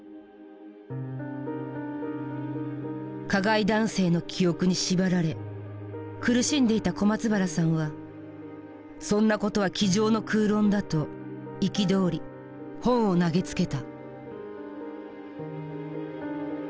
加害男性の記憶に縛られ苦しんでいた小松原さんは「そんなことは机上の空論だ」と憤り本を投げつけた。